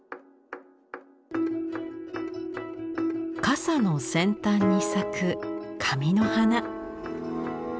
傘の先端に咲く紙の花。